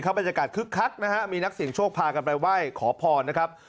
บรรยากาศคึกคักนะฮะมีนักเสียงโชคพากันไปไหว้ขอพรนะครับ